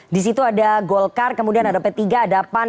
di situ ada golkar kemudian ada p tiga ada pan